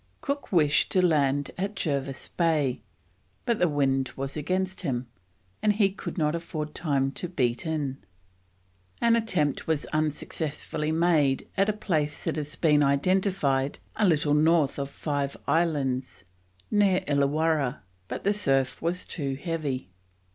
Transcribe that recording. Cook wished to land at Jervis Bay, but the wind was against him, and he could not afford time to beat in. An attempt was unsuccessfully made at a place that has been identified a little north of Five Islands, near Illawarra, but the surf was too heavy.